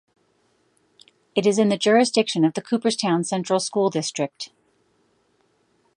It is in the jurisdiction of the Cooperstown Central School District.